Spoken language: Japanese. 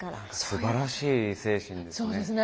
すばらしい精神ですね。